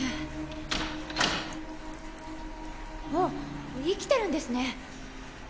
ガチャンあっ生きてるんですね。